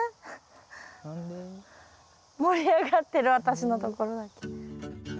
盛り上がってる私のところだけ。